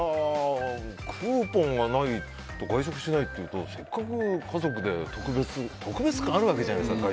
クーポンがないと外食しないってせっかく家族で特別感あるわけじゃないですか。